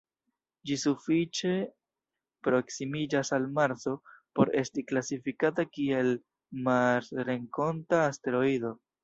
Ĝi sufiĉe proksimiĝas al Marso por esti klasifikata kiel marsrenkonta asteroido.